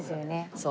そう。